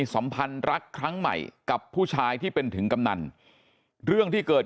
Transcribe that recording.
สัมพันธ์รักครั้งใหม่กับผู้ชายที่เป็นถึงกำนันเรื่องที่เกิด